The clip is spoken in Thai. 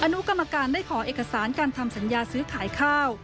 นุกรรมการได้ขอเอกสารการทำสัญญาซื้อขายข้าว